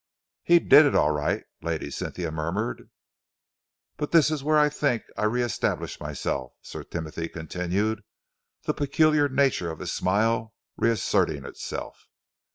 "He did it all right," Lady Cynthia murmured. "But this is where I think I re establish myself," Sir Timothy continued, the peculiar nature of his smile reasserting itself.